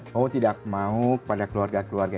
mau tidak mau pada keluarga keluarga